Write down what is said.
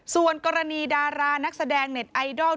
ส่วนกรณีดารานักแสดงเน็ตไอดอล